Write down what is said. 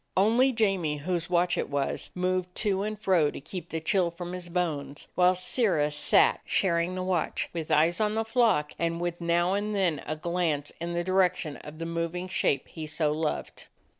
Only Jamie, whose watch it was, moved to and fro to keep the chill from his bones, while Sirrah sat, sharing the Nvatch, with eyes on the flock, and with now and then a glance in the direction of the moving shape he so loved.